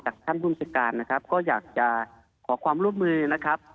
ท่านภูมิชาการนะครับก็อยากจะขอความร่วมมือนะครับ